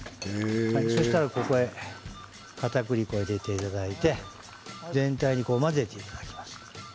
そうしたら、ここでかたくり粉を入れていただいて全体に混ぜていただきます。